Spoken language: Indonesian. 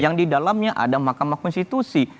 yang didalamnya ada mahkamah konstitusi